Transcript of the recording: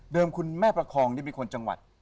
คุณแม่ประคองนี่เป็นคนจังหวัด